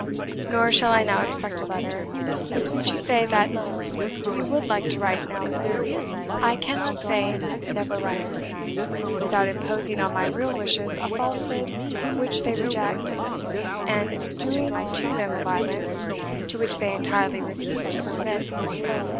Nor shall I now expect a letter; but since you say that you would like to write now and then, I cannot say 'never write,' without imposing on my real wishes a falsehood which they reject, and doing to them a violence, to which they entirely refuse to submit.